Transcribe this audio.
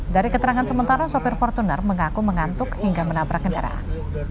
dari keterangan sementara sopir fortuner mengaku mengantuk hingga menabrak kendaraan